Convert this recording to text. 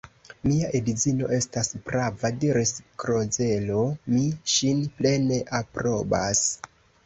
Mia edzino estas prava, diris Klozelo: mi ŝin plene aprobas.